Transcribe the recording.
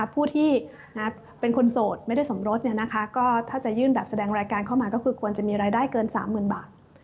ผู้ที่เป็นคนโสดไม่ได้สมรสก็ถ้าจะยื่นแบบแสดงรายการเข้ามาก็คือควรจะมีรายได้เกิน๓๐๐๐บาท